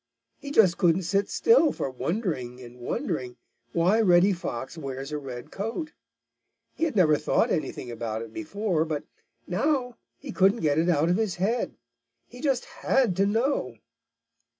He just couldn't sit still for wondering and wondering why Reddy Fox wears a red coat. He had never thought anything about it before, but now he couldn't get it out of his head. He just had to know.